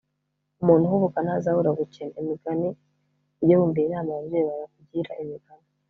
umuntu uhubuka ntazabura gukena Imigani Ujye wumvira inama ababyeyi bawe bakugira Imigani